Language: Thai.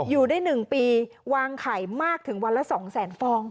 อยู่ได้๑ปีวางไข่มากถึงวันละ๒แสนฟอง